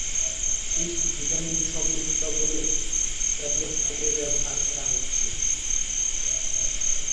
East vitamin সমৃদ্ধ বলে tablet হিসেবে ব্যবহার করা হচ্ছে।